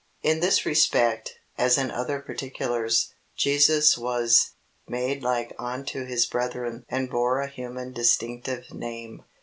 In this respect, as in other particulars, Jesus was "made like unto his brethren" and bore a human distinctive name.